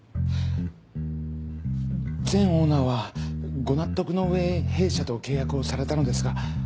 前オーナーはご納得の上弊社と契約をされたのですが。